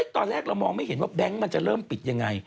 ตอนแรกเรามองไม่เห็นว่าแบงค์มันจะเริ่มปิดยังไง